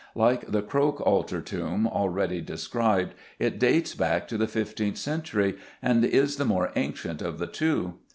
Like the Croke altar tomb already described, it dates back to the fifteenth century and is the more ancient of the two.